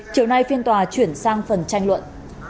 chiều nay phiên tòa chuyển sang phần tranh luận